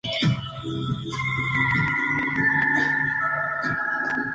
Algunos de sus trabajos fueron utilizados como evidencia de crímenes de guerra japoneses.